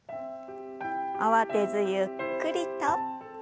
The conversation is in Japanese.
慌てずゆっくりと。